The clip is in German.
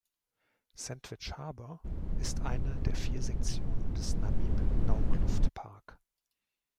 Sandwich Harbour ist eine der vier Sektionen des Namib-Naukluft-Park.